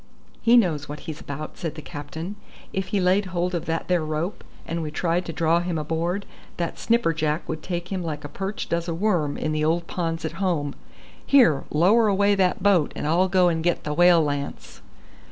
"He knows what he's about," said the captain. "If he laid hold of that there rope, and we tried to draw him aboard, that snipperjack would take him like a perch does a worm in the old ponds at home. Here, lower away that boat, and I'll go and get the whale lance."